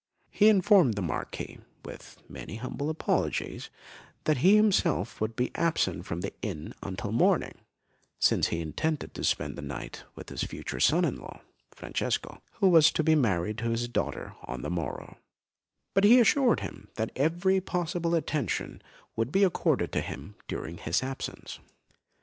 He informed the Marquis, with many humble apologies, that he himself would be absent from the inn until morning, since he intended to spend the night with his future son in law, Francesco, who was to be married to his daughter on the morrow; but he assured him that every possible attention would be accorded to him during his absence.